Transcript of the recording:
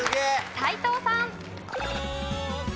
斎藤さん。